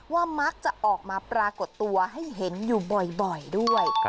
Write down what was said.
ว่ามักจะออกมาปรากฏตัวให้เห็นอยู่บ่อยด้วย